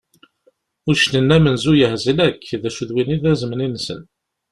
Uccen-nni amenzu yehzel akk, d acu d win i d azemni-nsen.